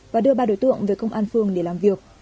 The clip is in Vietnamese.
và đưa ba đối tượng về công an phường để làm việc